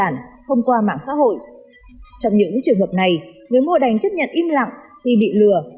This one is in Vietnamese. lúc này người mua đành chấp nhận im lặng thì bị lừa